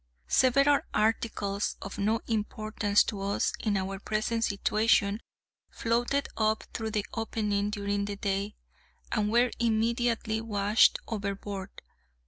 Several articles, of no importance to us in our present situation, floated up through the opening during the day, and were immediately washed overboard.